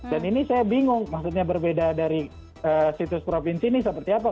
dan ini saya bingung maksudnya berbeda dari situs provinsi ini seperti apa